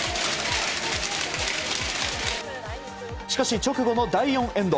しかし直後の第４エンド。